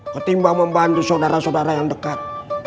ketimbang membantu saudara saudara yang dekat